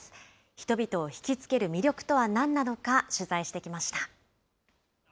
人々を引き付ける魅力とはなんなのか、取材してきました。